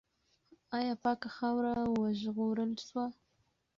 آیا پاکه خاوره وژغورل سوه؟